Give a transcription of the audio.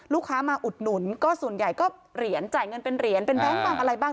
ลูกค้ามาอุดหนุนก็ส่วนใหญ่ก็เหรียญจ่ายเงินเป็นเหรียญเป็นแบงค์บ้างอะไรบ้าง